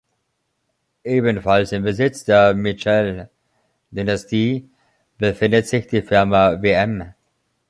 Ebenfalls im Besitz der Mitchell-Dynastie befindet sich die Firma "Wm.